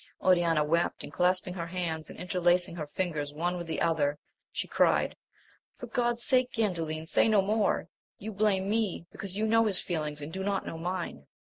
Oriana wept, and clasping her hands and interlacing her fingers one with the other, she cried, for God's sake, GandaUn, say no more ; you blame me, because you know his feelings and do not know mine.